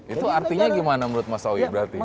itu artinya gimana menurut mas sawi berarti